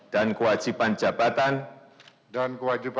dan kewajiban jabatan